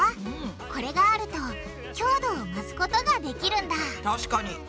これがあると強度を増すことができるんだ確かに。